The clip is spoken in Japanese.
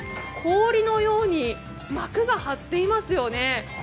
氷のように膜が張っていますよね。